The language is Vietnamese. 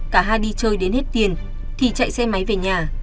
cả hai đi chơi đến hết tiền thì chạy xe máy về nhà